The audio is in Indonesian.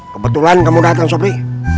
kebetulan kamu datang sobri